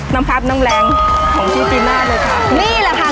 น้ำพักน้ำแรงของพี่จีน่าเลยค่ะ